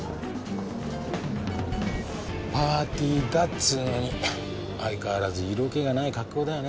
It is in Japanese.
パーティーだっつうのに相変わらず色気がない格好だよね。